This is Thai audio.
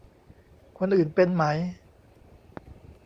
คนอื่นเป็นไหม